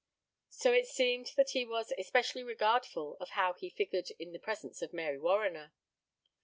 So it seemed that he was especially regardful of how he figured in the presence of Mary Warriner.